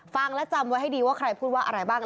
ฟังและจำไว้ให้ดีว่าใครพูดว่าอะไรบ้าง